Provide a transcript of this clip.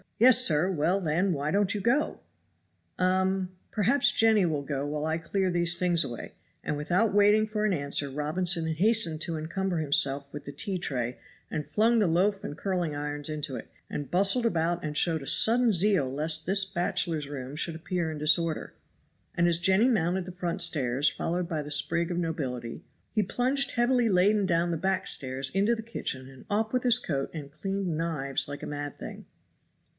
"Yes, sir! Well, then, why don't you go!" "Um! perhaps Jenny will go while I clear these things away;" and without waiting for an answer Robinson hastened to encumber himself with the tea tray, and flung the loaf and curling irons into it, and bustled about and showed a sudden zeal lest this bachelor's room should appear in disorder; and as Jenny mounted the front stairs followed by the sprig of nobility, he plunged heavily laden down the back stairs into the kitchen and off with his coat and cleaned knives like a mad thing.